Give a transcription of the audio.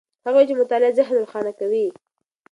هغه وویل چې مطالعه ذهن روښانه کوي.